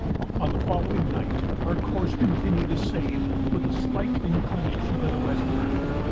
On the following night our course continued the same with a slight inclination to the westward.